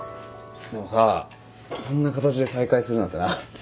でもさこんな形で再会するなんてな